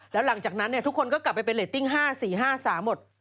แล้วหลังจากนั้นทุกคนก็กลับไปเป็นเรตติ้ง๕๔๕๓หมด